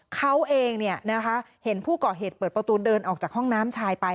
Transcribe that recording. เขาเองเห็นผู้ก่อเหตุเปิดประตูเดินออกจากห้องน้ำชายไป